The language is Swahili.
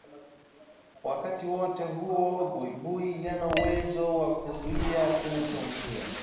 Wakati wote huo, buibui hana uwezo wa kuzuia kinachomjia